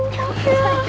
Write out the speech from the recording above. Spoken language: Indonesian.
sakit banget bel